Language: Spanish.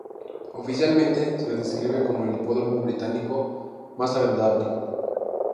Oficialmente se le describe como el hipódromo británico "más agradable".